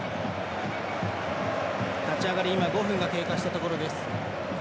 立ち上がり５分が経過したところです。